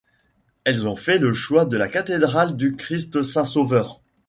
Elles ont fait le choix de la cathédrale du Christ Saint-Sauveur.